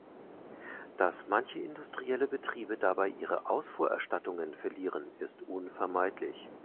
Dass manche industrielle Betriebe dabei ihre Ausfuhrerstattungen verlieren, ist unvermeidlich.